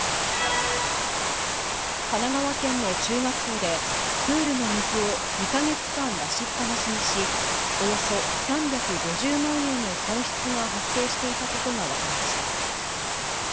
神奈川県の中学校で、プールの水を２か月間出しっぱなしにし、およそ３５０万円の損失が発生していたことが分かりました。